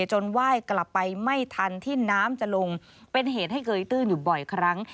ไหว้กลับไปไม่ทันที่น้ำจะลงเป็นเหตุให้เกยตื้นอยู่บ่อยครั้ง